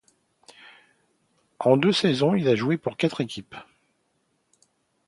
En deux saisons, il a joué pour quatre équipes.